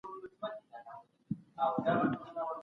که انقلاب راسي نظم ګډوډیږي.